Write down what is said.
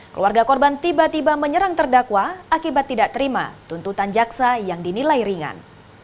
keluarga korban tiba tiba menyerang terdakwa akibat tidak terima tuntutan jaksa yang dinilai ringan